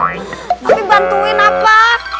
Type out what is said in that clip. tapi bantuin apa